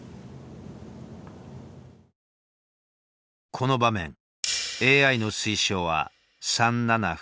この場面ＡＩの推奨は３七歩。